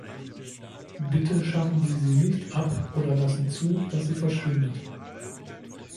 Bitte schaffen Sie sie nicht ab oder lassen zu, dass sie verschwindet.